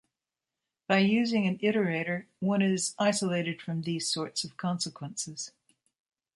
By using an iterator one is isolated from these sorts of consequences.